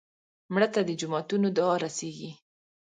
مړه ته د جوماتونو دعا رسېږي